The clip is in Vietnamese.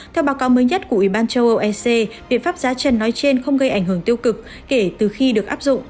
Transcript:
theo báo cáo mới nhất của ủy ban châu âu ec biện pháp giá trần nói trên không gây ảnh hưởng tiêu cực kể từ khi được áp dụng